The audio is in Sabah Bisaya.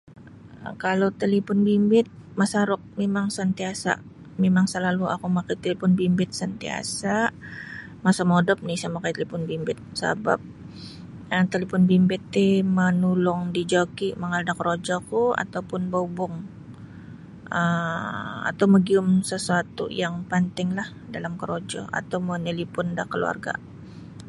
Kalau talipon bimbit masaruk mimang sentiasa' mimang selalu oku mamakai da talion bimbit sentiasa' masa modop oni sa mamakai da talipon bimbit sabap talipon bimbit ti manulung dijoki manggal da korojoku atau pun baubung um atau magiyum sesuatu yang panting dalam korojo atau manalipon da kaluarga'.